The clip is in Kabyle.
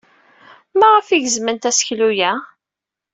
Maɣef ay gezment aseklu-a?